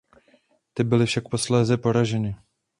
Ty byly však posléze poraženy.